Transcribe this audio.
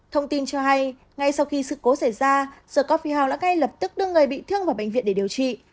thông tin cho hay ngay sau khi sự cố xảy ra the cophiealth đã ngay lập tức đưa người bị thương vào bệnh viện để điều trị